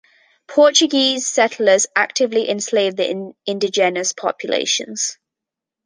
Portuguese settlers actively enslaved the indigenous populations.